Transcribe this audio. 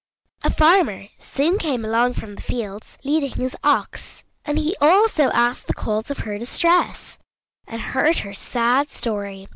A farmer soon came along from the fields, leading his ox, and he also asked the cause of her distress and heard her sad story.